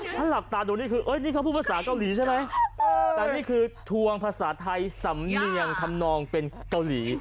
ถ้าหลับตาดูนี่คือนี่เขาพูดภาษาเกาหลีใช่ไหมแต่นี่คือทวงภาษาไทยสำเนียงทำนองเป็นเกาหลี